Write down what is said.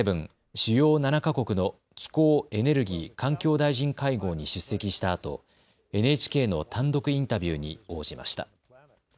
主要７か国の気候・エネルギー・環境大臣会合に出席したあとＮＨＫの単独インタビューに応じました。